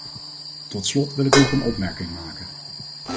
Tot slot wil ik nog een opmerking maken.